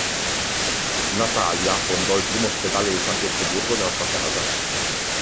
Natalia fondò il primo ospedale di San Pietroburgo nella sua casa.